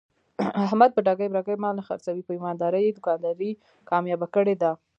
احمد په ټګۍ برگۍ مال نه خرڅوي. په ایماندارۍ یې دوکانداري کامیاب کړې ده.